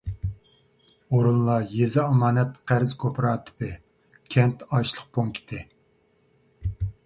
ئورۇنلار يېزا ئامانەت-قەرز كوپىراتىپى، كەنت ئاشلىق پونكىتى.